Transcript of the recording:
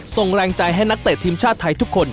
ส่งแรงใจให้นักเตะทีมชาติไทยทุกคน